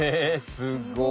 すごい。